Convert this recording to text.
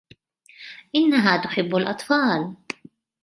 إنها تحب الأطفال.